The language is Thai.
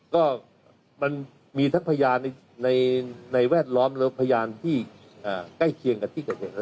ก็มันมีทั้งพยานในแวดล้อมและพยานที่ใกล้เคียงกับที่เกิดเหตุ